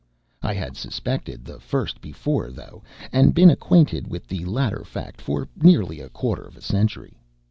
I had suspected the first before, though, and been acquainted with the latter fact for nearly a quarter of a century.